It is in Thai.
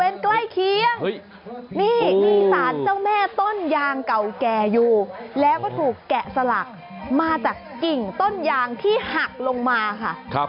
นี่สารเจ้าแม่ต้นยางเก่าแก่อยู่แล้วก็ถูกแกะสลักมาจากกิ่งต้นยางที่หักลงมาค่ะ